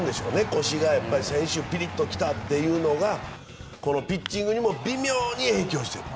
腰がピリッと来たというのがこのピッチングにも微妙に影響している。